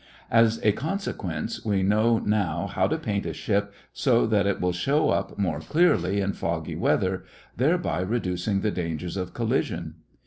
As a consequence, we know now how to paint a ship so that it will show up more clearly in foggy weather, thereby reducing the danger of collision.